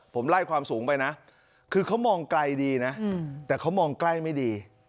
ผมไล่ความสูงไปนะคือเขามองไกลดีนะแต่เขามองใกล้ไม่ดี